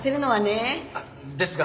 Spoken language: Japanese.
あっですが